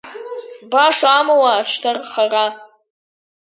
Баша амала аҽҭархара…